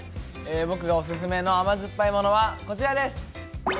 僕がオススメの甘酸っぱいものはこちらです。